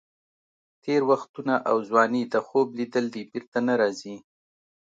تېر وختونه او ځواني د خوب لیدل دي، بېرته نه راځي.